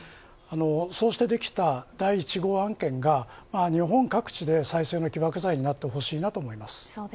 そうしてできた第１号案件が日本各地で再生の起爆剤になってほしいなと思います。